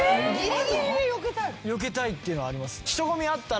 よけたいっていうのはあります。